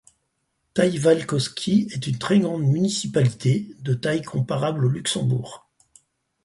Taivalkoski est une très grande municipalité, de taille comparable au Luxembourg.